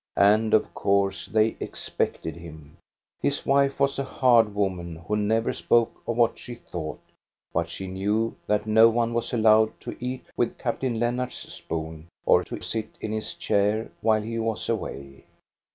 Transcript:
And of course they expected him. His wife was a hard woman, who never spoke of what she thought, but she knew that no one was allowed to eat with Captain Lennart's spoon or to sit in his chair while he was away.